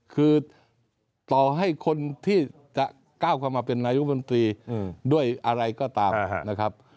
คือต่อให้คนที่จะก้าวเข้ามาเป็นนายกมนตรีด้วยอะไรก็ตามนะครับ